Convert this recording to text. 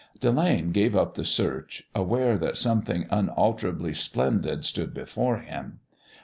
Delane gave up the search, aware that something unalterably splendid stood before him.